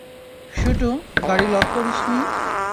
শুটু, গাড়ি লক করিসনি?